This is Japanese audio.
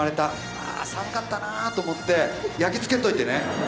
ああ寒かったなぁと思って焼きつけといてね。